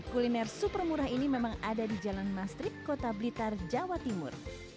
kuliner super murah ini memang ada di jalan mastrip kota blitar jawa timur